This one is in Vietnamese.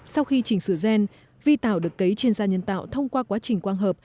sau khi chỉnh sửa gen vi tạo được cấy trên da nhân tạo thông qua quá trình quang hợp